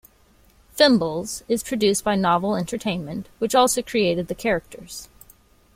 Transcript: "Fimbles" is produced by Novel Entertainment, which also created the characters.